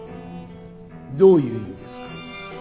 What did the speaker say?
どういう意味ですか。